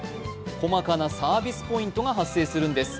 細かなサービスポイントが発生するんです。